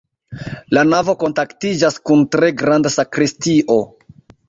La navo kontaktiĝas kun tre granda sakristio.